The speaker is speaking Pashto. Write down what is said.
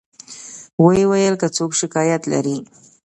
و یې ویل که څوک شکایت لري.